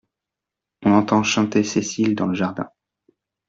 On entend chanter Cécile dans le jardin.